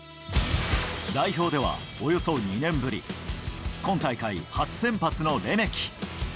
代表では、およそ２年ぶり、今大会初先発のレメキ。